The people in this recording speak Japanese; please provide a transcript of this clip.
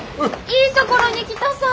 いいところに来たさ−。